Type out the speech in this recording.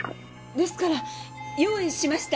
ですから用意しました。